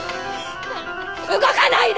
動かないで！